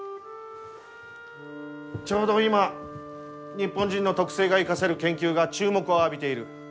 ちょうど今日本人の特性が生かせる研究が注目を浴びている。